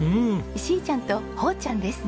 しーちゃんとほーちゃんです。